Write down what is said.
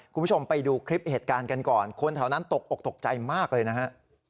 คุณผู้ชมไปดูคลิปเหตุการณ์กันก่อนคนแถวนั้นตกอกตกใจมากเลยนะฮะ